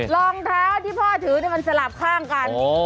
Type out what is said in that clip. รองเท้าที่พ่อถือมันสลับข้างกัน